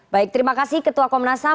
baik terima kasih ketua komnas ham